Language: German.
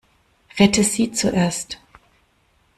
Rette sie zuerst!